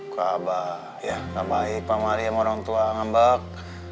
ke abah ya nambahi pak maria sama orang tua ngambak